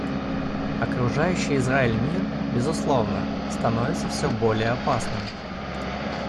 Окружающий Израиль мир, безусловно, становится все более опасным.